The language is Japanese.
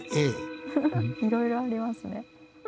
いろいろありますね。